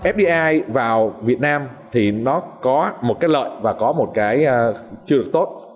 fdi vào việt nam thì nó có một cái lợi và có một cái chưa được tốt